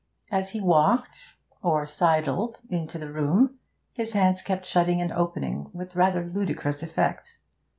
As he walked or sidled into the room, his hands kept shutting and opening, with rather ludicrous effect.